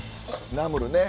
ナムルね